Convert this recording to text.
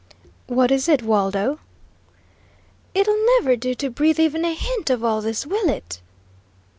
"What is it, Waldo?" "It'll never do to breathe even a hint of all this, will it?"